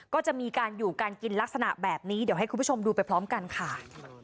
ก็จะมีการอยู่การกินลักษณะแบบนี้เดี๋ยวให้คุณผู้ชมดูไปพร้อมกันค่ะ